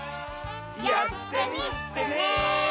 やってみてね！